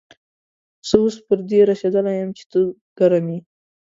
زه اوس پر دې رسېدلی يم چې ته ګرم يې.